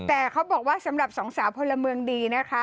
แต่เขาบอกว่าสำหรับสองสาวพลเมืองดีนะคะ